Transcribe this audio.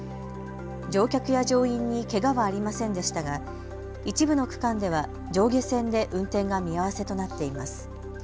乗客や乗員にけがはありませんでしたが一部の区間では上下線で運転が見合わせとなっています。